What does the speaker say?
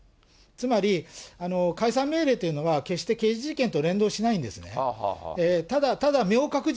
つまり、解散命令というのは、決して刑事事件と連動しないんですね。